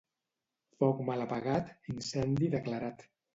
Foc mal apagat, incendi declarat.